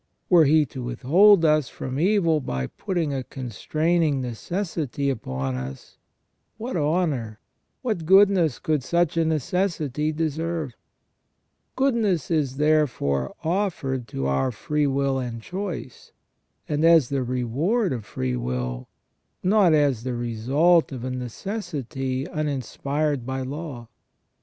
Were He to withhold us from evil by putting a constraining necessity upon us, what honour, what goodness could such a necessity deserve ? Goodness is therefore offered to our free will and choice, and as 52 WHY MAN IS MADE TO THE IMAGE OF GOD. the reward of free will, not as the result of a necessity uninspired by law.